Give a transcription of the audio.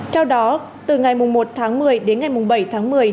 theo đó từ ngày một tháng một mươi đến ngày bảy tháng một mươi